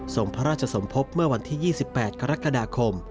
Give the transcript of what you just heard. ส่งพระราชสมภพเมื่อวันที่๒๘กรกฎาคม